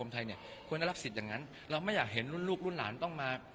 นี่คือสิ่งที่เราออกมา